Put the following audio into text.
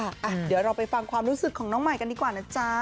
เดี๋ยวเราไปฟังความรู้สึกของน้องใหม่กันดีกว่านะจ๊ะ